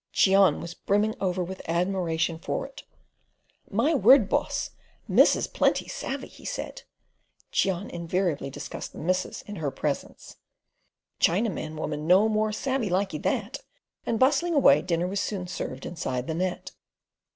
Cheon was brimming over with admiration for it. "My word, boss! Missus plenty savey," he said. (Cheon invariably discussed the missus in her presence.) "Chinaman woman no more savey likee that," and bustling away, dinner was soon served inside the net.